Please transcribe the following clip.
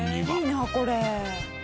いいなあこれ。